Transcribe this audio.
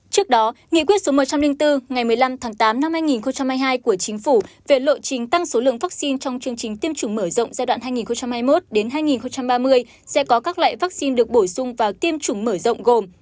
trước đó nghị quyết số một trăm linh bốn ngày một mươi năm tháng tám năm hai nghìn hai mươi hai của chính phủ về lộ trình tăng số lượng vaccine trong chương trình tiêm chủng mở rộng giai đoạn hai nghìn hai mươi một hai nghìn ba mươi sẽ có các loại vaccine được bổ sung vào tiêm chủng mở rộng gồm